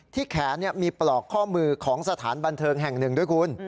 แขนมีปลอกข้อมือของสถานบันเทิงแห่งหนึ่งด้วยคุณ